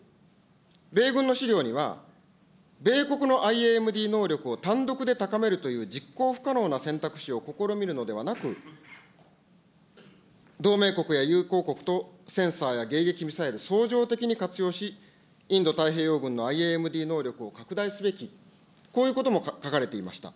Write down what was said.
米軍の資料には、米国のＩＡＭＤ能力を単独で高めるという実行不可能な選択肢を試みるのではなく、同盟国や友好国と、センサーや迎撃ミサイル相乗的に活用し、インド太平洋軍のＩＡＭＤ能力を拡大すべき、こういうことも書かれていました。